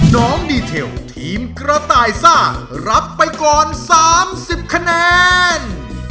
น้องดีเทลทีมกระต่ายซ่ารับไปก่อน๓๐คะแนน